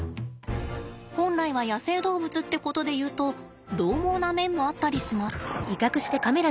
本来は野生動物ってことでいうと獰猛な面もあったりします。